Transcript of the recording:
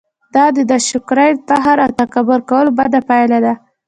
دا د ناشکرۍ، فخر او تکبير کولو بده پايله ده!